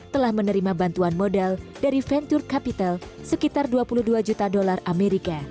telah menerima bantuan modal dari venture capital sekitar dua puluh dua juta dolar amerika